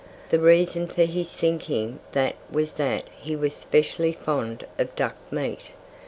The reason for his thinking that was that he was specially fond of duck meat.